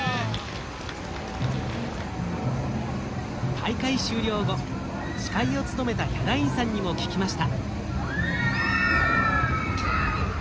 大会終了後司会を務めたヒャダインさんにも聞きました。